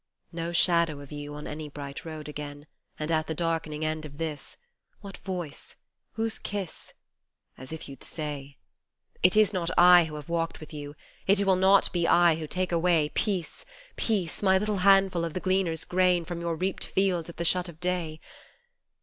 No shadow of you on any bright road again, And at the darkening end of this what voice ? whose kiss ? As if you'd say ! It is not I who have walked with you, it will not be I who take away Peace, peace, my little handful of the gleaner's grain From your reaped fields at the shut of day.